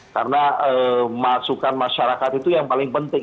karena masukan masyarakat itu yang paling penting